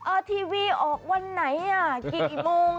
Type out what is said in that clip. เออทีวีออกวันไหนอ่ะกี่โมงอ่ะ